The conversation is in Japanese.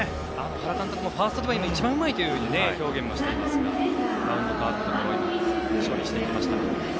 原監督もファーストでは一番うまいという表現をしていますがバウンドが変わったところを処理していきました。